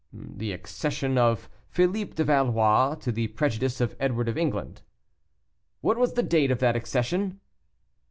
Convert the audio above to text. "The accession of Philippe de Valois, to the prejudice of Edward of England." "What was the date of that accession?"